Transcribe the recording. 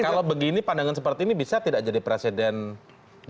kalau begini pandangan seperti ini bisa tidak jadi presiden jokowi